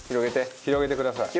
広げてください。